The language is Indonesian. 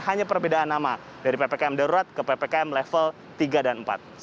hanya perbedaan nama dari ppkm darurat ke ppkm level tiga dan empat